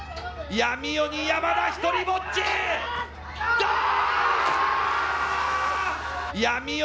闇夜に山田独りぼっちだあー！